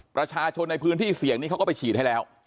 ประชาชนในพื้นที่เสี่ยงนี้เขาก็ไปฉีดให้แล้ว